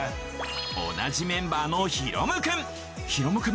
同じメンバーの大夢くん。